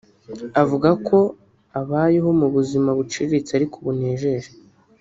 Avuga ko abayeho mu buzima buciriritse ‘ariko bunejeje’